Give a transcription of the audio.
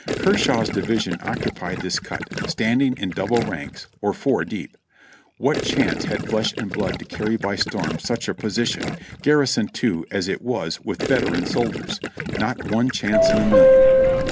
Kershaw's division occupied this cut, stand ing in double ranks, or four deep. What chance had flesh and blood to carry by storm such a po sition, garrisoned too as it was with veteran soldiers? Not one chance in a million.